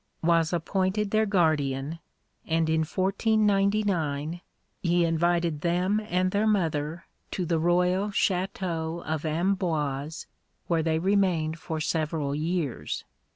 was appointed their guardian, and in 1499 he invited them and their mother to the royal Château of Amboise, where they remained for several years.